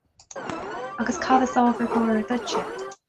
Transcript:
Agus cad is ábhar gáire duitse?